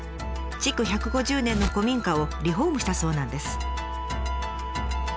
築１５０年の古民家をリフォームしたそうなんです。